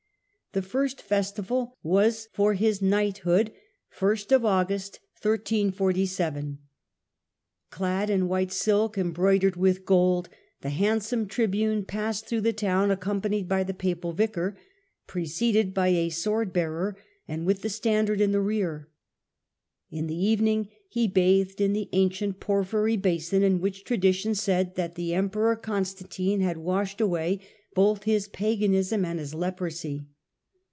The first festival was for his knighthood. Clad in white silk embroidered with gold, the handsome Tribune passed through the town accompanied by the Papal Vicar, preceded by a sword bearer, and with the standard in the rear. In the evening he bathed in the ancient porphyry basin in which tradition said that the Emperor I Constantine had washed away both his paganism and his leprosy.